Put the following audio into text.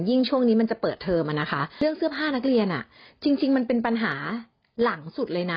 ช่วงนี้มันจะเปิดเทอมอ่ะนะคะเรื่องเสื้อผ้านักเรียนจริงมันเป็นปัญหาหลังสุดเลยนะ